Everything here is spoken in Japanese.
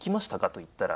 と言ったら。